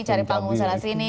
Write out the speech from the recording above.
cari panggung salah sini